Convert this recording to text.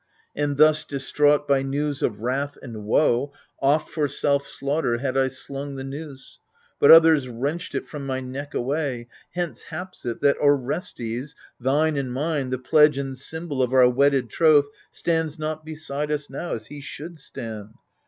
And thus distraught by news of wrath and woe, Oft for self slaughter had I slung the noose. But others wrenched it from my neck away. Hence haps it that Orestes, thine and mine. The pledge and symbol of our wedded troth. Stands not beside us now, as he should stand.